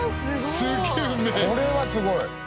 これはすごい！